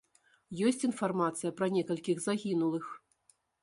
Ёсць інфармацыя пра некалькіх загінулых.